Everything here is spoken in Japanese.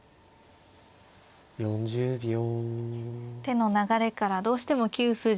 手の流れからどうしても９筋。